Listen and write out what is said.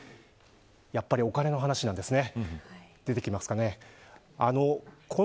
やっぱりお金の話なんですね。